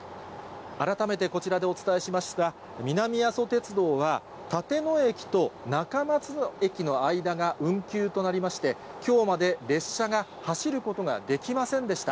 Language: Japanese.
改めてこちらでお伝えしますが、南阿蘇鉄道は、立野駅と中松駅の間が運休となりまして、きょうまで、列車が走ることができませんでした。